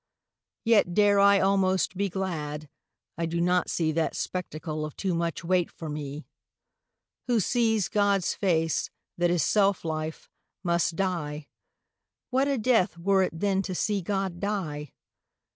Yet dare I'almost be glad, I do not seeThat spectacle of too much weight for mee. Who sees Gods face, that is selfe life, must dye; What a death were it then to see God dye?